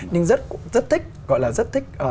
nhưng rất thích gọi là rất thích